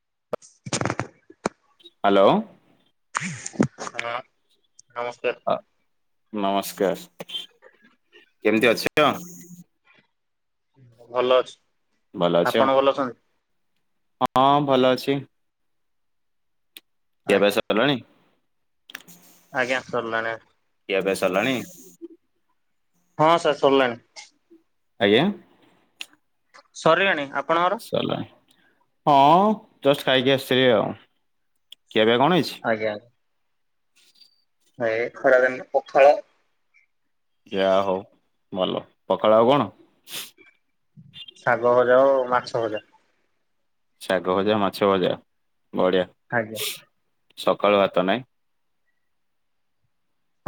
[unintelligible] Hello. ହଁ। ନମସ୍କାର ନମସ୍କାର। କେମତି ଅଛି? ଭଲ ଅଛି। ଭଲ ଅଛ ଆପଣ ଭଲ ଅଛନ୍ତି? ହଁ ଭଲ ଅଛି। ଖିଆ ପିଆ ଆଜ୍ଞା ସବୁ ସରିଲାଣି? ଆଜ୍ଞା ସରିଲାଣି। ଖିଆ ପିଆ ସରିଲାଣି? ହଁ ସାର୍ ସରଲାଣି। ଆଜ୍ଞା। ସରିଲାଣି ଆ ସରଲାଣି। ହଁ ଜଷ୍ଟ ଖାଇକି ଆସିିଲି ଆଉ। ଖିଆ ପିଆ କଣ ହେଇଚି। ନାଇ ଏଇ ଖରା ଦିନ ରେ ପଖାଳ। ଯାହା ହଉ ଭଲ ପଖାଳ ଆଉ କଣ। ଶାଗ ଭଜା ଆଉ ମାଛ ଭଜା। ଶାଗ ଭଜା ମାଛ ଭଜା। ବଢିଆ। ଆଜ୍ଞା ସକାଳୁ ହାତ ନାଇଁ।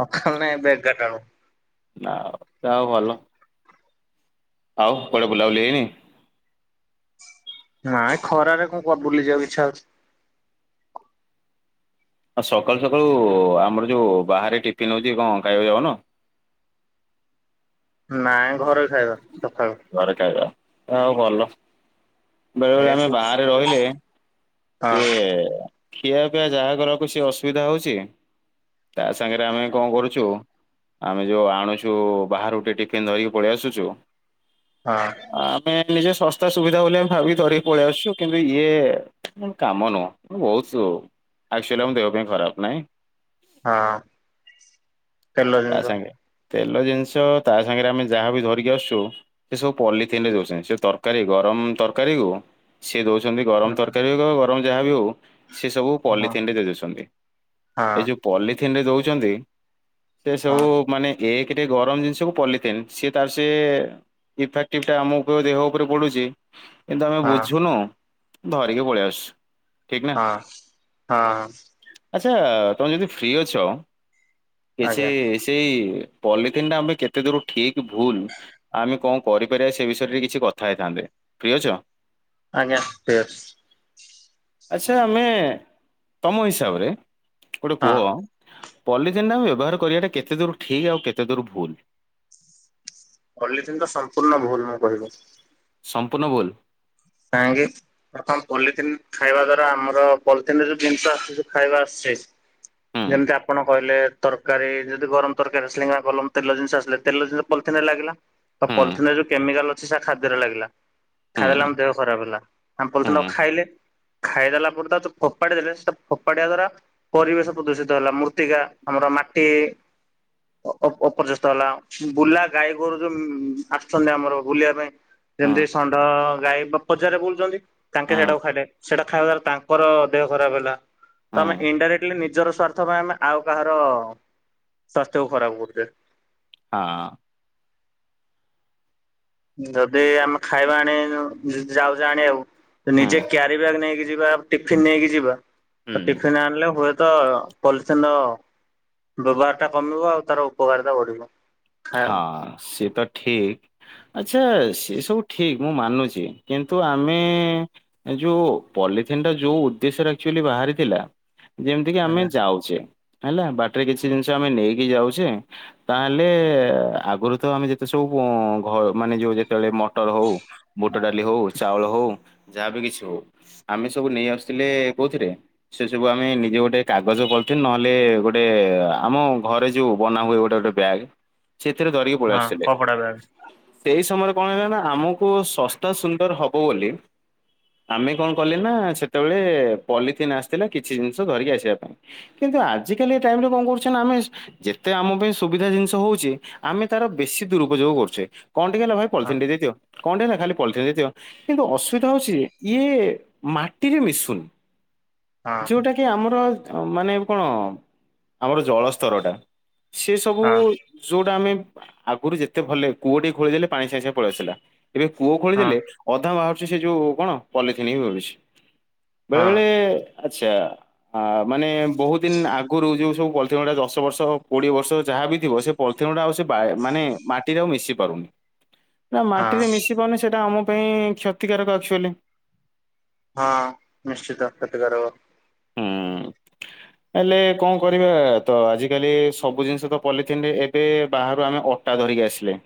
ପଖାଲ ନାଇଁ ଏବେ ଏଗାର ଟା ବେଳୁ। ନା ଯାହା ହଉ ଭଲ। ଆଉ କୁଆଡ଼େ ବୁଲାବୁଲି ହେଇନି। ନା ଏ ଖରାରେ କଣ କୁଆଡ଼େ ବୁଲିଯିବାକୁ ଇଚ୍ଛା ହଉଛି। ଆ ସକାଳୁ ସକାଳୁ ଆମର ଯୋଉ ବାହାରେ ଟିଫିନ ହଉଛି କଣ ଖାଇବାକୁ ଯାଉନ। ନାଇଁ ଘରୋଇ ଖାଇବା ସକାଳୁ। ଆଉ ଭଲ। ବେଳେ ଏ ବେଳେ ଆମେ ସୁଜି ବାହାରେ ରହିଲେ ହଁ ସିଏ। ଖିଆ ପିଆ ଯାହା କରିବାକୁ ସେ ଅସୁବିଧା ହଉଛି ତା ସାଙ୍ଗରେ ଆମେ କଣ କରୁଛୁ ଆମେ ଯୋଉ ଆଣୁଛୁ ବାହାରୁ ଟିଫିନ୍ ଧର ପଳେଇ ଆସୁଛୁ। ହଁ ଆମେ। ନିଜେ ଶସ୍ତା ସୁବିଧା ବୋଲି ଭାବି ଧରିକି ପଳେଇ ଆସୁଛୁ କିନ୍ତୁ ଇଏ କାମ ନୁହଁ ବହୁତୁ ଆକଚୁଲି ଆମ ଦେହ ପାଇଁ ଖରାପ ନାହିଁ। ହଁ। ତେଲ ତା ଜିନଷ। ସାଙ୍ଗେ ତେଲ ଜିନିଷ ତା ସାଙ୍ଗରେ ଆମେ ଯାହା ବିି ଧରିକି ଆସୁଛୁ ସେ ସବୁ ପଲିଥିନରେ ଦେଉଛନ୍ତି ସେ ତରକାରୀ ଗରମ ତରକାରୀକୁ ସିଏ ଦଉ ଛନ୍ତି ଗରମ ହଁ ତରକାରୀ କୁ ଗ ଗରମ ଯାହା ବି ହଉ। ସେ ସବୁ ହଁ ପଲିଥିନରେ ଦେଇଦଉଛନ୍ତି ଏଇ ହଁ ଯୋଉ ପଲି ଥିନରେ ଦଉଛନ୍ତି। ସେ ସବୁ ହଁ ମାନେ ଏକ ଏକରେ ଗରମ ଜିନିଷକୁ ପଲିଥିନ୍ ସିଏ ତାର ସେ ଇଫେକ୍ଟିଭଟା ଆମ ଦେହ ଉପରେ ପଡୁଛି। କିନ୍ତୁ ଆମେ ହଁ ବୁଝୁନୁ। ଧରିକି ପଳେଇ ଆସଚୁ। ହଁ ହଁ। ଆଚ୍ଛା ତମେ ଯଦି ଫ୍ରି ଅଛ। କିଛି ଆଜ୍ଞା ସେଇ ପଲିଥିନ୍ ଟା ଆମ କେତେ ଦୂର ଠିକ ଭୁଲ ଆମେ କଣ କରିପାରିବା ସେ ବିଷୟରେ କିଛି କଥା ହେଇଥାନ୍ତେ ପ୍ରିୟ ଆଜାର୍ ଆଚଛା ଆମେ ତମ ହିସାବରେ ଗୋଟେ ହଁ। କୁହ ପଲିଜ ନ ବ୍ୟବହାର କରିବାଟା କେତେ ଦୂର ଠିକ ଆଉ କେତେ ଦୂର ଭୁଲ ଅଲିଥିଙ୍କ ସମ୍ପୂର୍ଣ୍ଣ ଭୁଲ ମୁଁ କହିବି ସମ୍ପୂର୍ଣ ଭୁଲ୍ କାହିଁକି ପ୍ରଥମ ପଲିଥିିନ ଖାଇବା ଦ୍ଵାରା ଆମର ପଲିଥିିନରେ ଯୋଉ ଜିନିଷ ଆସ ଖାଇବା ଆସଛି ହୁଁ ଯେମିତି ଆପଣ କହିଲେ ତରକାରୀ ଯଦି ଗରମ ତରକାରୀ ଆସିଲେ ଗରମ ତେଲ ଜିନିଷ ଆସିଲେ ତେଲ ଜିନିଷ ପଲିିଥିନରେ ଲାଗିଲା। ଆଉ ହୁଁ ପଲିଥିନରେ ଯୋଉ କେମିକାଲ ଅଛି ଖାଦ୍ୟର ଲାଗିଲା ଖାଇଦଲେ ଆମ ହୁଁ ଦେହ ଖରାପ ହେଲା ଆମ ପ ଖାଇଲେ ଖାଇଦେଲା ପରେ ତ ଯୋଉ ଫୋପାଡି ଦେଲେ ସେ ଫୋପାଡିିବା ଦ୍ଵାରା ପରିବେଶ ପ୍ରଦୂଷିତ ହେଲା ମୃତ୍ତିକା ଆମର ମାଟି ଅପର୍ଯ୍ୟସ୍ତ ହେଲା ବୁଲା ଗାଈ ଗୋରୁ ଯୋଉ ଆସୁଛନ୍ତି ଆମର ବୁଲିବା ପାଇଁ ହୁଁ ଯେମିତି ଷଣ୍ଢ ଗାଈ ବା ବଜାରରେ ବୁଲୁଛନ୍ତି ତାଙ୍କେ ହୁଁ ସେଇଟାକୁ ଖାଇଲେ ସେଇଟା ଖାଇବା ଦ୍ଵାରା ତାଙ୍କର ଦେହ ଖରାପ ହେଲା ତ ହୁଁ। ଆମେ ଇନଣ୍ଡାଇରେକ୍ଟଲି ନିଜର ସ୍ୱାର୍ଥ ପାଇଁ ଆମେ ଆଉ କାହାର ସଵାସ୍ଥ୍ୟକୁ ଖରାପ କରୁଛ। ହଁ। ଯଦି ଆମେ ଖାଇବା ଆଣି ଯାଉଛେ ଆଣିବାକୁ ତ ନିଚେ କ୍ୟରି ବ୍ୟାଗ ନେଇକି ଯିବା ଟିଫିନ ନେଇକି ଯିବା। ତ ଟଟିଫିନ୍ ଆଣିଲେ ହୁଏ ତ ପଲିଥିନ ର ବ୍ୟବହାର ଟା କମିବ ଆଉ ତାର ଉପକାର ଟା ବଢିବ। ହଁ ସେ ତ ଠିକ ଆଛା ସେ ସବୁ ଠିକ ମୁଁ ମାନୁଛି କିନ୍ତୁ ଆମେ ଯୋଉ ପଲିଥିନ୍ ଟା ଯୋଉ ଉଦ୍ଦେଶ୍ୟରେ ଆକ୍ଚୁଲି ବାହାରିଥିଲା ଯେମିତି କି ଆମେ ଯାଉଛେ ହେଲା ବାଟରେ କିଛି ଜିନିଷ ଆମେ ନେଇକି ଯାଉଛେ ତାହେଲେ ଆଗରୁ ତ ଆମେ ଯେତେ ସବୁ ଘ ମାନେ ଯୋଉ ଯେତେବେଳେ ମ ଟର ହଉ ବୁଟ ଡାଲି ହଉ ଚାଉଳ ହଉ ଯାହାବି କିଛି ହଉ ଆମେ ସବୁ ନେଇ ଆସୁଥିଲେ କୋଉଥିରେ ସେ ସବୁ ଆମେ ନିଜେ ଗୋଟେ କାଗଜ କରିଥିଲୁ ନହେଲେ ଗୋଟେ ଆମ ଘରେ ଯୋଉ ବନା ହୁଏ ଗୋଟେ ଗୋଟେ ବ୍ୟାଗ ସେଥିରେ ଧରିକି ପଳେଇ ହଁ ଆସିଥିଲେ। କପଡା ବ୍ୟାଗ ସେଇ ସମୟରେ କଣ ହେଲା ନା ଆମକୁ ଶସ୍ତା ସୁନ୍ଦର ହବ ବୋଲି ଆମେ କଣ କଲେ ନା ସେତେବେଳେ ପଲିଥିନ୍ ଆସିଥିଲା କିଛି ଜିନିଷ ଧରିକି ଆସିବା ପାଇଁ କିନ୍ତୁ ଆଜିକାଲି ଟାଇମରେ କଣ କରୁଛ ନା ଆମେ ଯେତେ ଆମ ପାଇଁ ସୁବିଧା ଜିନିଷ ହଉଛି ଆମେ ତାର ବେଶୀ ଦୁରୁପଯୋଗ କରୁଛେ କଣ ଟିକି ହେଲା ଭାଇ ହଁ ପଲଥିନି ଟେ ଦେଇଦିଅ। କଣଟା ହେଲା ଖାଲି ପଲିଥିନ୍ ଟେ ଦିଅ କିନ୍ତୁ ଅସୁବିଧା ହଉଛି ଇଏ ମାଟିରେ ମିଶୁନି। ହଁ। ଯୋଉଟା କି ଆମର ମାନେ କଣ ଆମର ଜଳସ୍ତର ଟା ସେ ସବୁ ହଁ କୋଉଟା ଆମେ ଆଗରୁ ଯେତେ ଭଲେ କୂଅ ଟିକ ଖୋଳି ଦେଲେ ପାଣି ସାଙ୍ଗେ ସାଙ୍ଗେ ପଳେଇ ଆସୁଥିଲ। ଏବେ କୁଅ ଖୋଳି ହଁ ଦେଲେ ଅଧା ବାହାଘ ସେ ଯୋଉ କଣ ପଲିଥିନ ମିଳୁଛି। ହଁ ବେଳେବେେଳେ ଆଛା ଆ ମାନେ ବହୁତ ଦିନ ଆଗରୁ ଯୋଉ ସବୁ ପଲିଥିନ ଗୁଡ଼ା ଦଶ ବର୍ଷ କୋଡିଏ ବର୍ଷ ଯାହା ବି ଥିବ ସେ ପା ଆଉ ମାନେ ମାଟିରେ ଆଉ ମିଶି ପାରୁନି। ସେ ମାଟି ହଁ ରେ ମିଶି ପାରୁନି ସେଟା ଆମ ପାଇଁ କ୍ଷତିକାରକ ଆକ୍ଚୁଆଲି ହଁ ନିଶ୍ଚିତ ରଥା ଘରବର ହୁଁ ହେଲେ କଣ କରିବା ତ ଆଜିକାଲି ସବୁ ଜିନିଷ ତ ପଲିଥିନରେ ଏବେ ବାହାରୁ ଆମେ ଅଟା ଧରିକି ଆସିଲେ।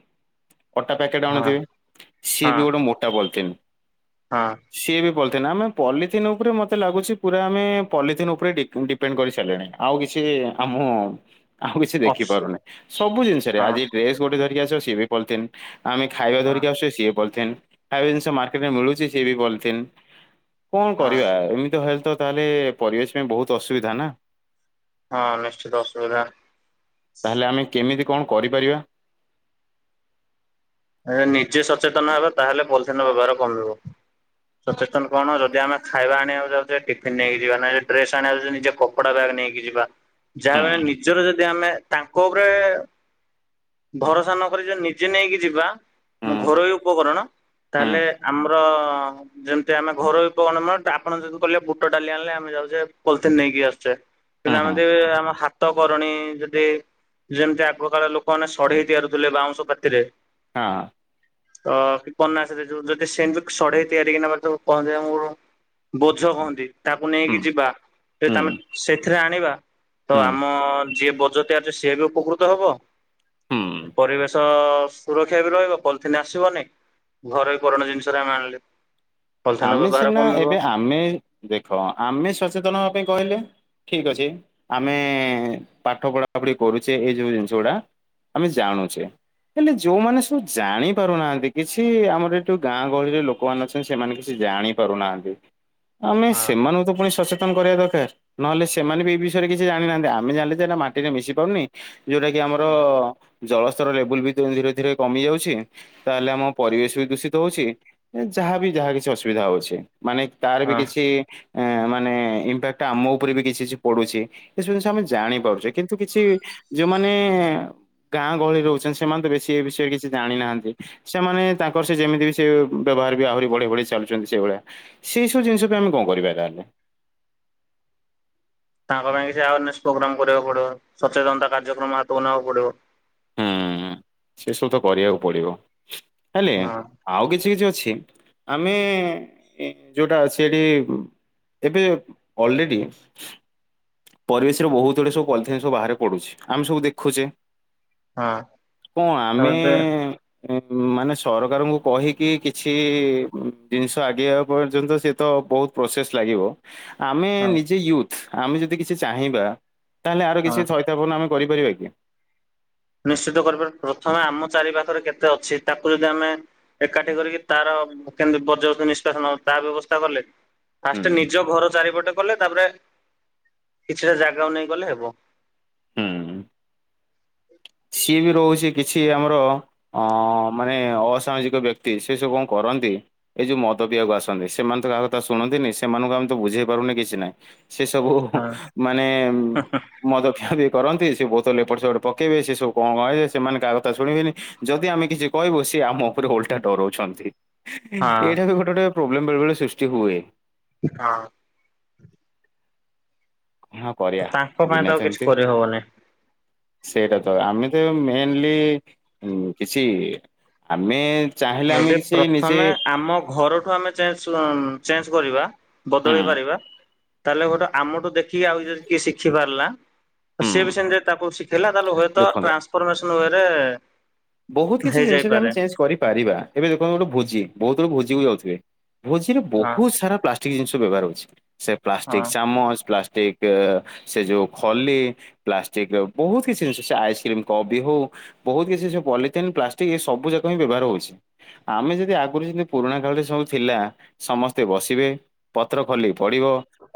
ଅଟା ପ୍ୟାକେଟ୍ ହଁ ଆଣୁଥିବେ ସିଏ ହଁ ବି ଗୋଟେ ମୋଟା ବଲ୍ଥିନ୍ ହଁ ସିଏ ବି ବ ଆମେ ପଲିଥିିନ ଉପରେ ମତେ ଲାଗୁଛି ପୁରା ପଲିିନ ଉପରେ ଡିପେଣ୍ଡ କରି ସାରିଲଣି ଆଉ କିଛି ଆମ ଆଉ କିଛି ଦେଖି ଅଫସ୍ ପାରୁନହିି ସବୁ ଜିନିଷରେ ହଁ ଆଜି ଡ୍ରେସ ଗୋଟେ ଧରି ସ ବି ପଥନ୍ ଆମେ ଖାଇବା ହଁ ଧରିକି ଆସଛେ ସିଏ ବଥେ ଆ ଜିନିଷ ମାର୍କଟରେ ମିଳୁଛି ସେଏ ବି ବତ କଣ ହଁ କରିବା ଏମିତି ଭ ତାହେଲେ ପରିବେଶ ପାଇଁ ବହୁତ ଅସୁବିଧା ନା। ହଁ ନିଶ୍ଚିତ ଅସୁବିଧା। ତାହେଲେ ଆମେ କେମିତି କଣ କରିପାରିବା। ଦ ନିଜେ ସଚେତନ ହେବ ତାହେଲେ ପଲିଥିିନ ର ବ୍ୟବହାର କମିବ ସଚେତନ କଣ ଯଦି ଆମେ ଖାଇବା ଆଣିବାକୁ ଯାଉଛେ ଟିଫିନ ନେଇକି ଯିବା ଡ୍ରେସ ଆଣିବାକୁ ଯାଉ ନିଜେ କପଡା ବ୍ୟାଗ୍ ନେଇକି ଯିବା। ଯାହା ହୁଁ। ବେଳେ ନିଜର ଯ ଯଦି ଆମେ ତାଙ୍କ ଉପରେ ଭରସା ନକ ଯଦି ନିଜେ ନେଇକି ଯିବା। ହୁଁ ଘରୋଇ ଉପକରଣ ହୁଁ ତାହେଲେ ଆମର ଯେମତି ଆମେ ଘରୋଇ କଣ ଆପଣ ଯଦି କହିଲେ ବୁଟ ଡାଲି ଆଣିଲେ ଆମେ ଯାଉଛେ ପଲିିନ ନେଇକି ଆସଛେ। ୁ ହୁଁ ଆମେ ହୁଁ ଯ ଆମ ହାତ କରଣୀ ଯଦି ଯେମିତି ଆଗକାାଳ ଲୋକମାନେ ସଢେଇ ତିଆାରୁଥିଲେ ବାଉଁଶ ପାତିରେ ହଁ। ତ କିନାସ ଯୋଉ ଯଦି ସେମତି ସଢେଇ ତିଆରି କି ନବା କହନ୍ତି ଆମକୁ ବୋଝ କହନ୍ତି ତାକୁ ହୁଁ ନେଇକି ଯିବା ଯଦି ତମେ ହୁଁ ସେଥିରେ ଆଣିବା ତ ହୁଁ ଆମ ଯିଏ ବୋଝ ତିଆରି ସିଏ ବି ଉପକୃତ ହବ ହୁଁ। ପରିବେଶ ସୁରକ୍ଷ ରହିବ ପଲିିନ ଆସିବନି ଘରୋଇ କରୋନା ଜିନିଷା ଆମେ ଆଣିଲ। ଆମେ ସିନା ଏବେ ଆମେ ଦେଖ ଆମେ ସଚେତନ ହବା ପାଇଁ କହିଲେ। ଠିକ ଅଛି ଆମେ ପାଠ ପଢାପଢି କରୁଛେ ଏଇ ଯୋଉ ଜିନିଷ ଗୁଡା ଆମେ ଜାଣୁଛେ ହେଲେ ଯୋଉମାନେ ସବୁ ଜାଣି ପାରୁନାହାନ୍ତି କିଛି ଆମର ଏ ଯୋଉ ଗାଁ ଗହଳିରେ ଲୋକମାନେ ଅଛନ୍ତି। ସେମାନେ କିଛି ଜାଣି ପାରୁନାହାନ୍ତି। ଆମେ ହଁ ସେମାନଙ୍କୁ ତ ପୁଣି ସଚେକ୍ତ କରିବା ଦରକାର ନହେଲେ ସେ ସେମାନେବି ଏ ବିଷୟରେ କିଛି ଜାଣିନାହାନ୍ତି ଆ ଆମେ ଜାଣିଲେଯେ ଏଟା ମାଟିରେ ମିଶି ପାରୁନି। ଯୋଉଟା କି ଆମର ଜଳସ୍ତର ଲେବୁଲ ବି ଧୀରେ ଧୀରେ କମି ଯାଉଛି ତାହେଲେ ଆମ ପରିବେଶ ବି ଦୂଷିତ ହଉଛି ଯାହା ବି ଯାହା କିଛି ଅସୁବିଧା ହଉଛି। ମାନେ ତାର ବି ହଁ କିଛି ଏମାନେ ଇମ୍ପାକ୍ଟ ଆମ ଉପରେ ବି କିଛି କିଛି ପଡୁଛି ଏସବୁ ଜିନିଷ ଆମେ ଜାଣିପାରୁଛେ କିନ୍ତୁ କିଛି ଯୋଉମାନେ ଗାଁ ଗହଳିରେ ରହୁଛନ୍ତି ସେମାନେ ତ ବେଶୀ ଏ ବିଷୟରେ କିଛି ଜାଣିନାହାନ୍ତି ସେମାନେ ତାଙ୍କର ସେ ଯେମିତି ବି ସେ ବ୍ୟବହାର ବି ଆହୁରି ବଢି ବଢି ଚାଲୁଛନ୍ତି ସେଇଭଳିଆ ସେଇ ସବୁ ଜିନିଷ ବି ଆମେ କଣ କରିବା ତାହେଲେ। ତାଙ୍କ ପାଇଁ କିଛି ଅୱାରନେସ ପ୍ରୋଗ୍ରାମ କରିବାକୁ ପଡିବ, ସଚେତନତା କାର୍ଯ୍ୟକ୍ରମ ହାତକୁ ନେବାକୁ ପଡିବ। ସେସବୁ ତ କରିବାକୁ ପଡିବ। ହେଲେ ହଁ ଆଉ କିଛି କିଛି ଅଛି। ଆମେ ଯୋଉଟା ଅଛି ଏଠି ଏବେ ଅଲରେଡି ପରିବେଶରେ ବହୁତ ଗୁଡ଼ିେ ସବୁ ପଲିଥିନ୍ ସବୁ ବାହାରେ ପଡୁଛି ଆମେ ସବୁ ଦେଖୁଛେ। ହଁ କଣ ଆମେ ତାପରେ ଏ ଏ। ମାନେ ସରକାରଙ୍କୁ କହିକି କିଛି ଜିନିଷ ଆଗେଇବା ପର୍ଯ୍ୟନ୍ତ ସେ ତ ବହୁତ ପ୍ରୋସେସ ଲାଗିବ। ଆମେ ହଁ ନିଜେ ୟୁଥ୍ ଆମେ ଯଦି କିଛି ଚାହିଁବା ତାହେଲେ ଆର ହଁ କିଛି ଛଇଥାବନ ଆମେ କରିପାରିବା କି? ନିଶ୍ଚିତ କରିପାର ପ୍ରଥମେ ଆମ ଚାରି ପାାଖରେ କେତେ ଅଛି ତାକୁ ଯଦି ଆମେ ଏକାଠି କରିକି ତାର କେମିତି ବଜ୍ରବ ନିଷ୍କାସ ନଲେ ତା ବ୍ୟବସ୍ଥା କଲେ। ହୁଁ ଫାଷ୍ଟେ ନିଜ ଘର ଚାରିପଟେ କଲେ ତାପରେ କିଛିଟା ଜାଗା ନେଇ ଗଲେ ହେବ। ହୁଁ। ସିଏ ବି ରହୁଛି କିଛି ଆମର ଅ ମାନେ ଅସାମାଜିକ ବ୍ୟକ୍ତି ସେ ସବୁ କଣ କରନ୍ତି ଏ ଯୋଉ ମଦ ପିଇବାକୁ ଆସନ୍ତି ସେମାନେ ତ କାହା କଥା ଶୁଣନ୍ତିନି ସେମାନଙ୍କୁ ଆମେ ତ ବୁଝେଇ ପାରୁନେ କିଛି ନାହିଁ। ସେ ସବୁ ହଃ ହଁ ମାନେ ମଦପିଆ ପି କରନ୍ତି ସେ ବୋତଲ ଏପଟ ସେପଟ ପକେଇବେ ସେ ସବୁ। କଣ ଯେ ସେମାନେ କାହା କଥା ଶୁଣିବେନି ଯଦି ଆମେ କିଛି କହିବୁ ସିଏ ଆମ ଉପରେ ଓଲଟା ଡରଉଛନ୍ତି। ହଁ ଏଇଟାକୁ ଗୋଟେ ଟେ ପ୍ରୋବ୍ଲେମ ବେଳେବେଳେ ସୃଷ୍ଟି ହୁଏ। ହଁ। କଣ କରିବା ତାଙ୍କ ପାଇଁ ତ ଆଉ କିଛି କରିହବନି। ସେଇଟାତ ଆମେତ ଏବେ ମେନଲି କିଛି ଆମେ ଚାହିଁଲେ ଆମେ ଯଦି କିଛି ନିଜେ ପ୍ରଥମେ ଆମ ଘରଠୁ ଆମେ ଚେଞ୍ଜ ନ ଚେଞ୍ଜ କରିବା। ହୁଁ ବଦଳେଇ ପାରିବା। ତାହେଲେ ଗୋଟେ ଆମଠୁ ଦେଖିକି ଆଉ ଯଦି କିଏ ଶିଖି ପାରିଲା। ହୁଁ ସିଏବି ସେମିତି ତାକୁ ଶିଖେଇଲା ତାହେଲେ ହୁଏ ଦେଖନ୍ତୁ ଟ୍ରାନସଫରମେସନ ରେ [unintelligible] ବହୁତ କିଛି ଜିନିଷ ବି ଆମେ ଚେଞ୍ଜ କରିପାରିବା। ଏବେ ଦେଖନ୍ତୁ ଗୋଟେ ଭୋଜି ବହୁତ ଲୋକ ଭୋଜି କୁ ଯାଉଥିବେ। ଭୋଜିରେ ହଁ ବହୁତ ସାରା ପ୍ଲାଷ୍ଟିକ ଠିକ୍ ଜିନିଷ ବ୍ୟବହାର ହଉଛି। ସେ ପ୍ଲାଷ୍ଟିକ ହଁ ଚାମଚ ପ୍ଲାଷ୍ଟିକ ସେ ଯୋଉ ଖଲି ପ୍ଲାଷ୍ଟିକ ବହୁତ କିଛି ଆଇସ୍କ୍ରିମ୍ କପ ବି ହଉ ବହୁତ କିଛି। ପଲିଥିନ୍ ପ୍ଲାଷ୍ଟିକ ଏ ସବୁ ଯାକ ହିଁ ବ୍ୟବହାର ହେଉଛି ଆମେ ଯଦି ଆଗରୁ ଯେମିତି ପୁରୁଣା କାଳରେ ସବୁ ଥିଲା ସମସ୍ତେ ବସିବେ ପତ୍ର ଖୋଲିକି ପଡ଼ିବ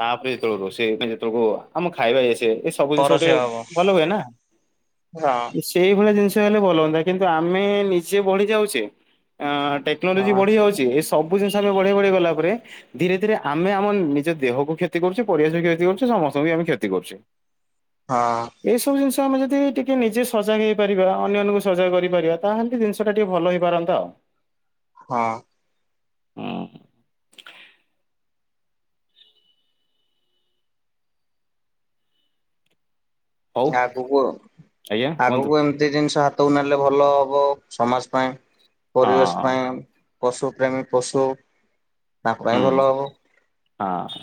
ତାପରେ ଯେତେବେଳେ ରୋଷେଇ ଯେତେବେଳକୁ ଆମ ଖାଇବା ସେ ଏ ସବୁ ଜିନିଷ ଗୋଟେ ପରସୀୟ ହବ ଭଲ ହୁଏ ନା। ହଁ ସେଇଭଳିଆ ଜିନିଷ ଲେ ବଲ [unintelligible] କିନ୍ତୁ ଆମେ ନିଜେ ବଢି ଯାଉଛେ। ଟେକ୍ନୋଲୋଜି ହଁ ବଢିଯାଉଛି। ସବୁ ଜିନିଷ ଆମେ ବଢିଆ ବଢେଇ ଗଲା ପରେ ଧୀରେ ଧୀରେ ଆମେ ଆମ ନିଜ ଦେହକୁ କ୍ଷତି କରୁଛେ। ପରିବେଷ କରଛେ [unintelligible] ସମସ୍ତଙ୍କୁ ଆମେ କ୍ଷତି କରୁଛେ। ହଁ ଏସବୁ ଜିନିଷ ଆମେ ଯଦି ଟିକେ ନିଜେ ସଜାଗ ହେଇପାରିବା ଅନ୍ୟମାନଙ୍କୁ ସଜାଗ କରିପାରିବା ତାହେଲେ ଜିନିଷ ଟା ଟିକେ ଭଲ ହେଇପାରନ୍ତା ଆଉ। ହଁ। ହୁଁ [unintelligible] ହଉ ଆଗକୁ ଆଜ୍ଞା କୁହନ୍ତୁ ଆଗକୁ ଏମତି ଜିନିଷ ନେଲେ ଭଲ ହବ ସମାଜ ପାଇଁ ପରିବେଶ ହଁ ପାଇଁ ପଶୁ ପ୍ରେମୀ ପଶୁ ତାଙ୍କ ହୁଁ ପାଇଁ ଭଲ ହବ [unintelligible] ହଁ।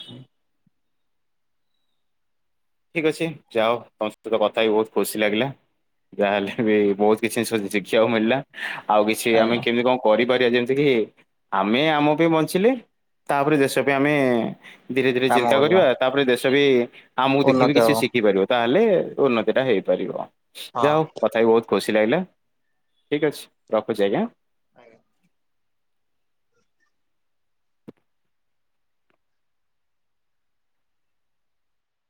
ଠିକ ଅଛି ଯାଅ ତମ ସହିତ କଥା ହେଇ କି ବହୁତ ଖୁସି ଲାଗିଲା ଯାହାହେଲେ ବି ବହୁତ କିଛି ଶିଖିବାକୁ ମିଳିଲା। ଆଉ କିଛି ଆମେ ଆଜ୍ଞା କେମିତି କଣ କରିବୁ? ଯେମିତି କି ଆମେ ଆମ ପାଇଁ ବଞ୍ଚିଲେ ତାପରେ ଦେଶ ପାଇଁ ଆମେ ଧୀରେ ଧୀରେ ଚିନ୍ତା କରିବା ତାପରେ ଦେଶ ସବ [inaudible] ହଁ ମୁଁଦ [unintelligible] ଉନ୍ନତି କିଛି ହବ ଶିଖିପାରିବ ତାହେଲେ ଉନ୍ନତି ଟା ହେଇପାରିବ। ଯାହା ହଁ। ହେଉ କଥା ବି ବହୁତ ଖୁସି ଲାଗିଲା ଠିକ୍ ଅଛି ରଖୁଛି ଆଜ୍ଞା। ଆ [unintelligible]